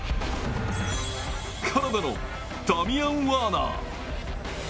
カナダのダミアン・ワーナー。